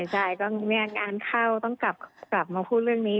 ใช่ก็มีอาการเข้าต้องกลับมาพูดเรื่องนี้